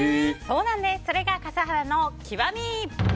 それが笠原の極み。